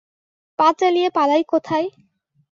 পা চালিয়ে পালাই কোথায়?